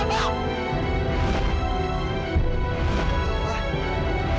wah kepadanya kok